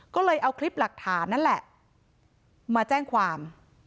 ก็เลยเอาคลิปหลักฐานนั่นแหละมาแจ้งความ